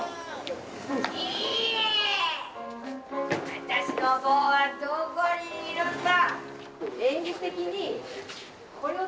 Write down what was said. あたしの坊はどこにいるんだ